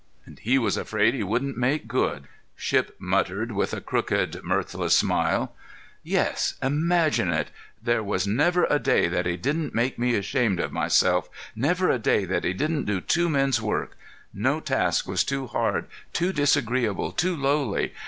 "And he was afraid he wouldn't make good!" Shipp muttered, with a crooked, mirthless smile. "Yes—imagine it! There was never a day that he didn't make me ashamed of myself, never a day that he didn't do two men's work. No task was too hard, too disagreeable, too lowly.